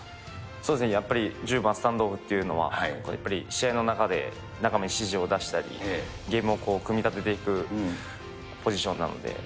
そうですね、やっぱり１０番スタンドオフっていうのは、やっぱり試合の中で、仲間に指示を出したり、ゲームを組み立てていくポジションなので。